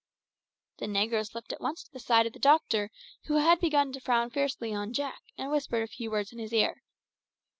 The negro slipped at once to the side of the doctor, who had begun to frown fiercely on Jack, and whispered a few words in his ear.